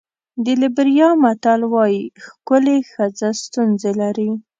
د لېبریا متل وایي ښکلې ښځه ستونزې لري.